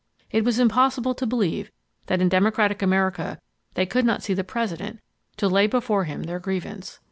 It was impossible to believe that in democratic America they could not see the President to lay before him their grievance.